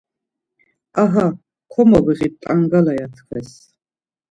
Aha! Komobiğit t̆angala ya tkves.